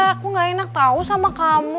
aku ga enak tau sama kamu